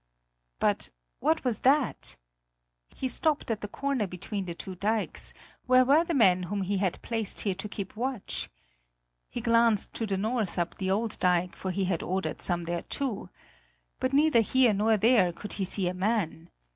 But what was that? He stopped at the corner between the two dikes; where were the men whom he had placed there to keep watch? He glanced to the north up at the old dike; for he had ordered some there too. But neither here nor there could he see a man.